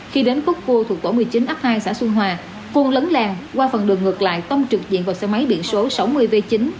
khi đến quốc cua thuộc tổ một mươi chín ấp hai xã xuân hòa khuôn lấn làng qua phần đường ngược lại tông trực diện vào xe máy biện số sáu mươi v chín mươi chín nghìn ba trăm linh